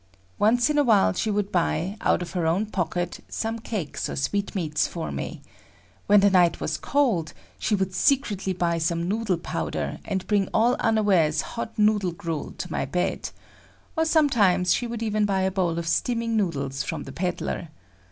Once in a while she would buy, out of her own pocket, some cakes or sweetmeats for me. When the night was cold, she would secretly buy some noodle powder, and bring all unawares hot noodle gruel to my bed; or sometimes she would even buy a bowl of steaming noodles from the peddler.